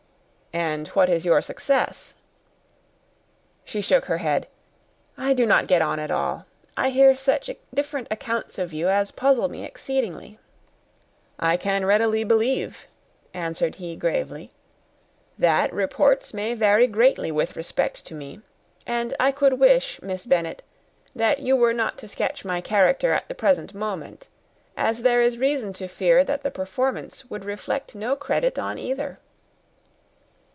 "And what is your success?" She shook her head. "I do not get on at all. I hear such different accounts of you as puzzle me exceedingly." "I can readily believe," answered he, gravely, "that reports may vary greatly with respect to me; and I could wish, Miss Bennet, that you were not to sketch my character at the present moment, as there is reason to fear that the performance would reflect no credit on either."